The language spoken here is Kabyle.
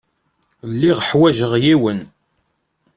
Lliɣ ḥwajeɣ yiwen.